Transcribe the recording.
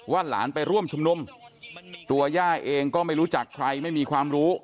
หลานไปร่วมชุมนุมตัวย่าเองก็ไม่รู้จักใครไม่มีความรู้